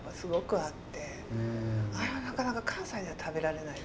あれはなかなか関西では食べられないですね。